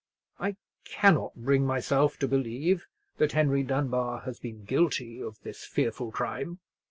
I cannot bring myself to believe that Henry Dunbar has been guilty of this fearful crime.